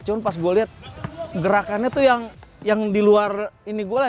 cuma pas gue liat gerakannya tuh yang di luar ini gue lah